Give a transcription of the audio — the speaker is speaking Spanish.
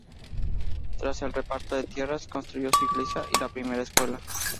Tras el reparto de tierras, construyó su iglesia y la primera escuela.